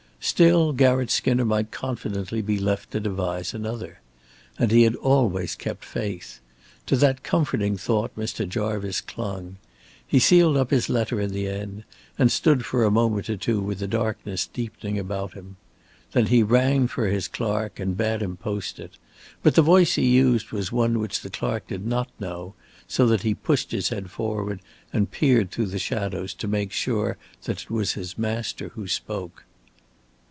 Still Garratt Skinner might confidently be left to devise another. And he had always kept faith. To that comforting thought Mr. Jarvice clung. He sealed up his letter in the end, and stood for a moment or two with the darkness deepening about him. Then he rang for his clerk and bade him post it, but the voice he used was one which the clerk did not know, so that he pushed his head forward and peered through the shadows to make sure that it was his master who spoke.